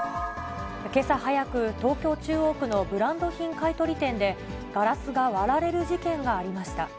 けさ早く、東京・中央区のブランド品買い取り店で、ガラスが割られる事件がありました。